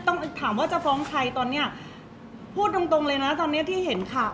เพราะว่าสิ่งเหล่านี้มันเป็นสิ่งที่ไม่มีพยาน